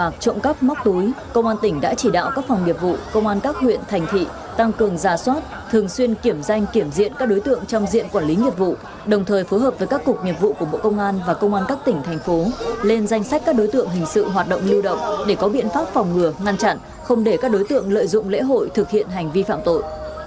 trong các mốc túi công an tỉnh đã chỉ đạo các phòng nghiệp vụ công an các huyện thành thị tăng cường ra soát thường xuyên kiểm danh kiểm diện các đối tượng trong diện quản lý nghiệp vụ đồng thời phối hợp với các cục nghiệp vụ của bộ công an và công an các tỉnh thành phố lên danh sách các đối tượng hình sự hoạt động lưu động để có biện pháp phòng ngừa ngăn chặn không để các đối tượng lợi dụng lễ hội thực hiện hành vi phạm tội